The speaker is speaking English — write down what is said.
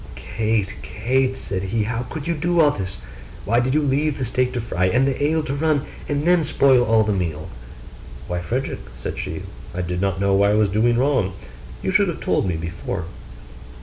'Kate, Kate,' said he, 'how could you do all this?' Why did you leave the steak to fry, and the ale to run, and then spoil all the meal?' 'Why, Frederick,' said she, 'I did not know I was doing wrong; you should have told me before.